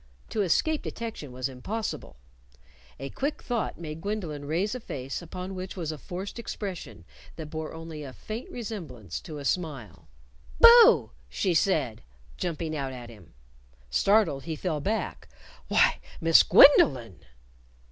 To escape detection was impossible. A quick thought made Gwendolyn raise a face upon which was a forced expression that bore only a faint resemblance to a smile. "Boo!" she said, jumping out at him. Startled, he fell back. "Why, Miss Gwendolyn!"